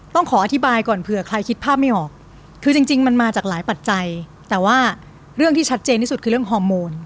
ต้องขออธิบายก่อนเผื่อใครคิดภาพไม่ออกคือจริงมันมาจากหลายปัจจัยแต่ว่าเรื่องที่ชัดเจนที่สุดคือเรื่องฮอร์โมน